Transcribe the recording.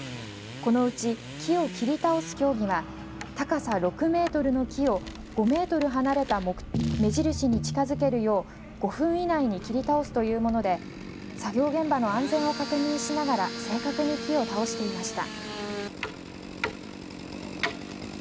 このうち木を切り倒す競技は高さ６メートルの木を５メートル離れた目印に近づけるよう５分以内に切り倒すというもので作業現場の安全を確認しながら正確に木を倒していました。